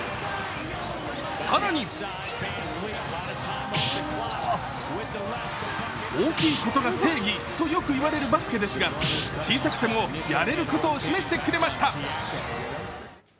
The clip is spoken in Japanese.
更に大きいことが正義とよく言われるバスケですが、小さくてもやれることを示してくれました。